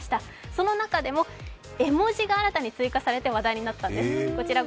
その中でも絵文字が新たに追加されて話題になったんです。